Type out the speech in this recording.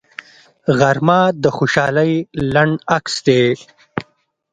غرمه د خوشحالۍ لنډ عکس دی